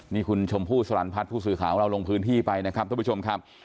นี่คุณชมพู่สลันพัฒน์ผู้สื่อข่าวของเราลงพื้นที่ไปนะครับท่านผู้ชมครับ